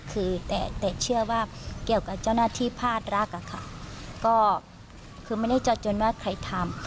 คือแต่เชื่อว่าเกี่ยวกับเจ้าหน้าที่พาดรักอะค่ะก็คือไม่ได้จอดจนว่าใครทำ